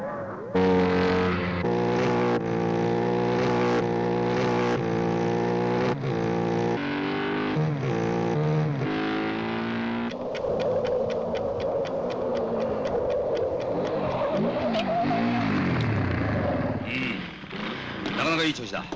うんなかなかいい調子だ。